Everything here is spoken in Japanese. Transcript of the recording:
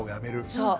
そう。